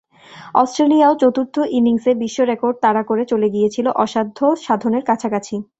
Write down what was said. অস্ট্রেলিয়াও চতুর্থ ইনিংসে বিশ্ব রেকর্ড তাড়া করে চলে গিয়েছিল অসাধ্য সাধনের কাছাকাছি।